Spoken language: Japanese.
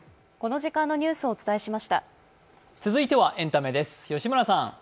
続いてはエンタメです。